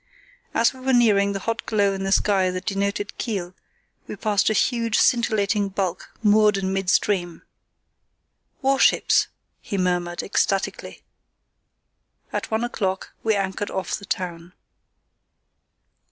As we were nearing the hot glow in the sky that denoted Kiel we passed a huge scintillating bulk moored in mid stream. "Warships," he murmured, ecstatically. At one o'clock we anchored off the town.